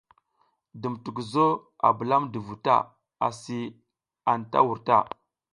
Dum tukuzo a bulamdi vu ta asi a anta wur.